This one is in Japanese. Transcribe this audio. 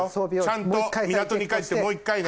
ちゃんと港に帰ってもう１回ね！